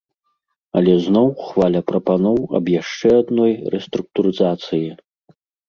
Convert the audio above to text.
Але зноў хваля прапаноў аб яшчэ адной рэструктурызацыі.